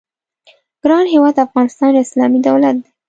ګران هېواد افغانستان یو اسلامي دولت دی.